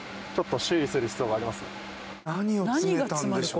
何を詰めたんでしょう？